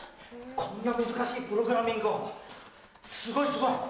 こんな難しいプログラミングをすごいすごい！